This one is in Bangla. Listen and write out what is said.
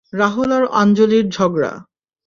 রাহুল আর আঞ্জলির ঝগড়া।